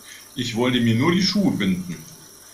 Ich wollte mir nur die Schuhe binden.